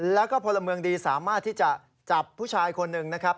แล้วก็พลเมืองดีสามารถที่จะจับผู้ชายคนหนึ่งนะครับ